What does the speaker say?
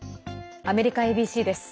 アメリカＡＢＣです。